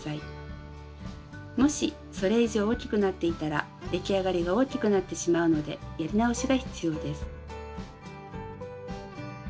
もしそれ以上大きくなっていたら出来上がりが大きくなってしまうのでやり直しが必要です。